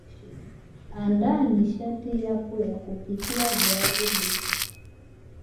andaa nishati yako ya kupikia viazi lishe